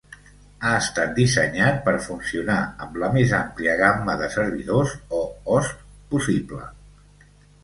Ha estat dissenyat per funcionar amb la més àmplia gamma de servidors o hosts possible.